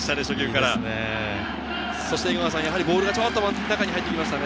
江川さん、ボールがちょっと真ん中に入ってきましたね。